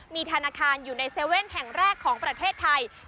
มีธนาคารอยู่ใน๗๑๑แห่งแรกของประเทศไทย